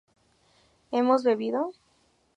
¿hemos bebido?